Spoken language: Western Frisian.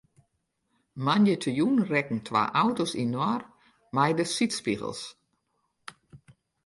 Moandeitejûn rekken twa auto's inoar mei de sydspegels.